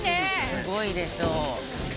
すごいでしょ。